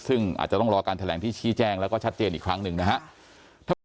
ซึ่งอาจจะต้องรอการแถลงที่ชี้แจ้งแล้วก็ชัดเจนอีกครั้งหนึ่งนะครับ